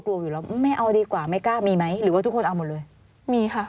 กลัวอยู่แล้วไม่เอาดีกว่าไม่กล้ามีไหมหรือว่าทุกคนเอาหมดเลยมีค่ะ